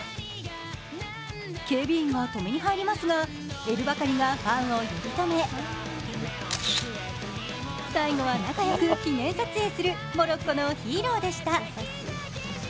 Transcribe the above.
警備員は止めに入りますが、エル・バカリがファンを呼び止め最後は仲良く記念撮影するモロッコのヒーローでした。